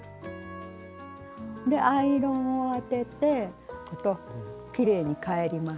アイロンをあててきれいに返ります。